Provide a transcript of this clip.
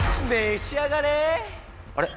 あれ？